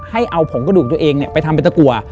ให้เอาผงกระดูกตัวเองไปทำเป็นตะกัว